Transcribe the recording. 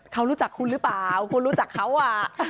เขารู้จักคุณหรือเปล่าคุณรู้จักเขาอ่ะ